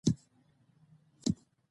سیاسي مشارکت د بدلون ځواک دی